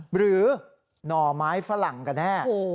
หน่อไม้ฝรั่งกันแน่